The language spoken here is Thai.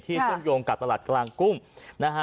ที่เชื่อมโยงกับตลาดกลางกรุ้ง